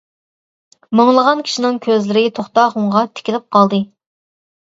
مىڭلىغان كىشىنىڭ كۆزلىرى توختاخۇنغا تىكىلىپ قالدى.